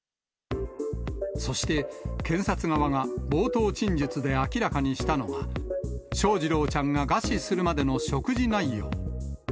そして、検察側が冒頭陳述で明らかにしたのが、翔士郎ちゃんが餓死するまでの食事内容。